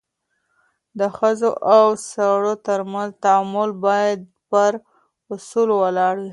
د ښځو او سړو ترمنځ تعامل بايد پر اصولو ولاړ وي.